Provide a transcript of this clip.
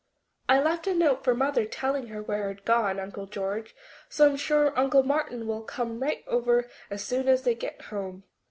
"I left a note for Mother telling her where I'd gone, Uncle George, so I'm sure Uncle Martin will come right over as soon as they get home."